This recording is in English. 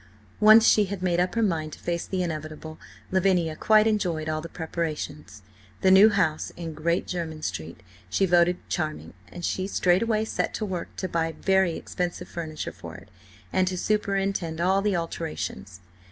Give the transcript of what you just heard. Once she had made up her mind to face the inevitable, Lavinia quite enjoyed all the preparations. The new house in Great Jermyn Street she voted charming, and she straightway set to work to buy very expensive furniture for it, and to superintend all the alterations.